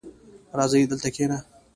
راځه دلته کښېنه!